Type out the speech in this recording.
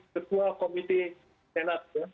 sebuah komite senat